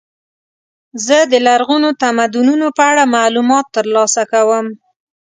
زه د لرغونو تمدنونو په اړه معلومات ترلاسه کوم.